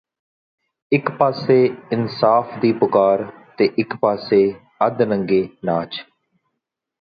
ਇਕ ਪਾਸੇ ਇਨਸਾਫ ਦੀ ਪੁਕਾਰ ਤੇ ਇਕ ਪਾਸੇ ਅੱਧ ਨੰਗੇ ਨਾਚ